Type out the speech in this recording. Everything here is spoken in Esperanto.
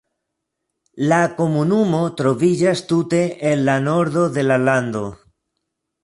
La komunumo troviĝas tute en la nordo de la lando.